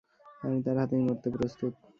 আমি তার হাতেই মরতে প্রস্তুত।